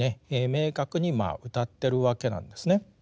明確にうたってるわけなんですね。